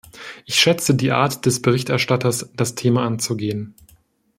Ich schätze die Art des Berichterstatters, das Thema anzugehen.